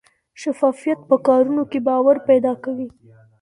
شفافیت په کارونو کې باور پیدا کوي.